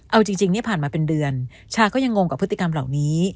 เอาจริงเนี่ยผ่านมาเป็นเดือนชาก็ยังงงกับพฤติกรรมเหล่านี้